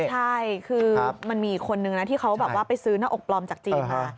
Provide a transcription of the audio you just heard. ใช่คือมันมีอีกคนนึงนะที่เขาแบบว่าไปซื้อหน้าอกปลอมจากจีนมา